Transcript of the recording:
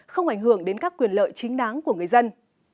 không ảnh hưởng đến các quyền lợi chính đáng của người dân